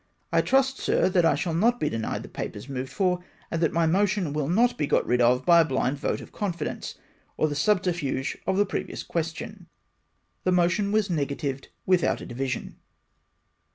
I trust. Sir, that I shall not be denied the papers moved for, and that my motion will not be got rid of by a blind vote of confidence, or the subterfuge of the previous question.' " The motion was negatived without a division."